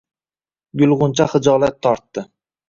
Gulg‘uncha xijolat tortdi